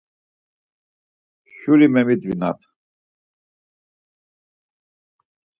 Şuri memidvinap.